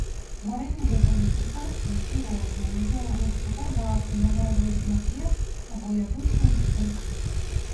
Варэнне дадаюць у тарты, пірожныя, ёгурты, гарбату, намазваюць на хлеб або ядуць лыжкай.